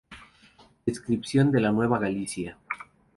Descripción de la Nueva Galicia.